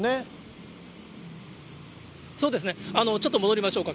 そうですね、ちょっと戻りましょうか。